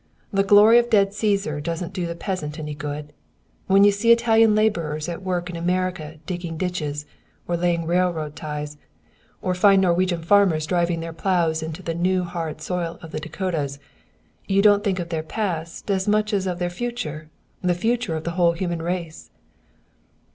The glory of dead Caesar doesn't do the peasant any good. When you see Italian laborers at work in America digging ditches or laying railroad ties, or find Norwegian farmers driving their plows into the new hard soil of the Dakotas, you don't think of their past as much as of their future the future of the whole human race."